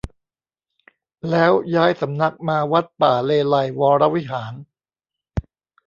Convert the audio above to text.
แล้วย้ายสำนักมาวัดป่าเลไลยก์วรวิหาร